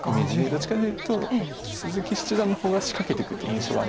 どちらかというと鈴木七段の方が仕掛けていくっていう印象はあります。